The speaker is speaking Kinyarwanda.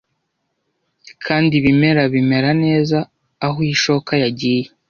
Kandi ibimera bimera neza aho ishoka yagiye.